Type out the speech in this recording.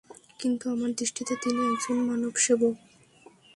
কিন্তু আমার দৃষ্টিতে তিনি একজন মানবসেবক।